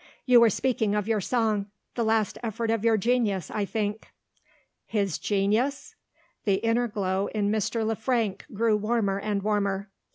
You were speaking of your song the last effort of your genius, I think?" His "genius"! The inner glow in Mr. Le Frank grew warmer and warmer.